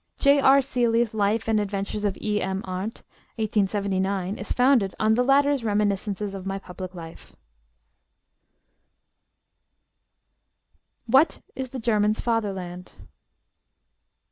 J.R. Seeley's 'Life and Adventures of E.M. Arndt' (1879) is founded on the latter's 'Reminiscences of My Public Life. WHAT IS THE GERMAN'S FATHERLAND?